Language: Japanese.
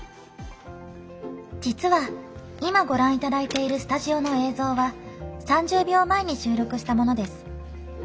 実は今、ご覧いただいているスタジオの映像は３０秒前に収録したものです。